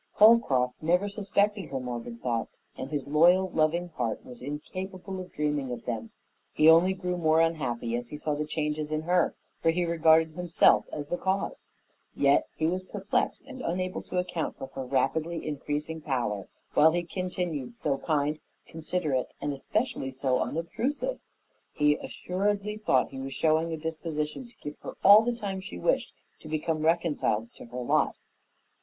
Holcroft never suspected her morbid thoughts, and his loyal, loving heart was incapable of dreaming of them. He only grew more unhappy as he saw the changes in her, for he regarded himself as the cause. Yet he was perplexed and unable to account for her rapidly increasing pallor while he continued so kind, considerate, and especially so unobtrusive. He assuredly thought he was showing a disposition to give her all the time she wished to become reconciled to her lot.